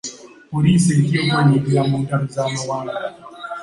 Poliisi etya okwenyigira mu ntalo z'amawanga.